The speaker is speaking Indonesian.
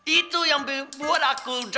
itu yang membuat aku jatuh